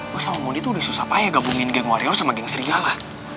lu sama mundi tuh udah susah payah gabungin geng warior sama geng serigala